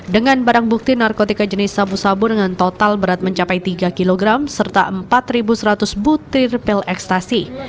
dengan barang bukti narkotika jenis sabu sabu dengan total berat mencapai tiga kg serta empat seratus butir pil ekstasi